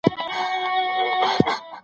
ترخه د طعن به غوځار کړي هله